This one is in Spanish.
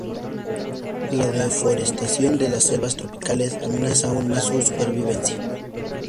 La deforestación de las selvas tropicales amenaza aún más su supervivencia.